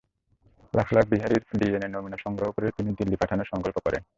লাখ লাখ বিহারির ডিএনএ নমুনা সংগ্রহ করে তিনি দিল্লি পাঠানোর সংকল্প করলেন।